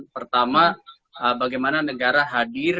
pertama bagaimana negara hadir